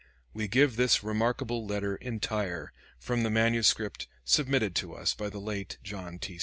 We give this remarkable letter entire, from the manuscript submitted to us by the late John T.